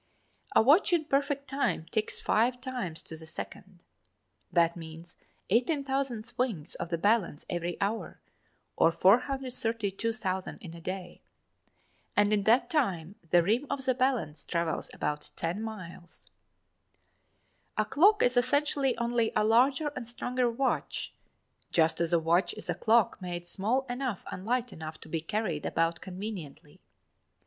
A watch in perfect time ticks five times to the second. That means 18,000 swings of the balance every hour, or 432,000 in a day. And in that time, the rim of the balance travels about ten miles. A clock is essentially only a larger and stronger watch, just as a watch is a clock made small enough and light enough to be carried about conveniently.